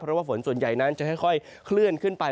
เพราะว่าฝนส่วนใหญ่นั้นจะค่อยเคลื่อนขึ้นไป